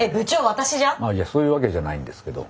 ああいやそういうわけじゃないんですけど。